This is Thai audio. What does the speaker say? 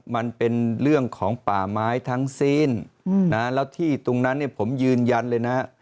มันเป็นเรื่องของป่าไม้ทั้งสิ้นแล้วที่ตรงนั้นเนี่ยผมยืนยันเลยนะฮะ